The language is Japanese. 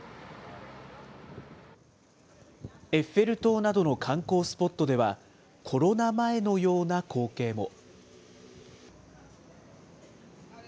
エッフェル塔などの観光スポットでは、コロナ前のような光景も。